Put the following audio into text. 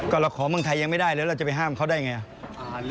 ก็เราขอเมืองไทยยังไม่ได้แล้วเราจะไปห้ามเขาได้ไง